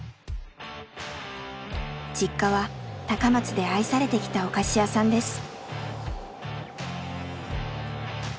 実家は高松で愛されてきたお菓子屋さんです。